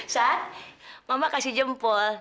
sat mama kasih jempol